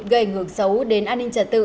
gây ngược xấu đến an ninh trả tự